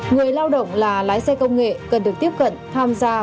người lao động là lái xe công nghệ cần được tiếp cận tham gia